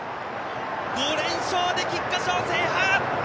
５連勝で菊花賞制覇！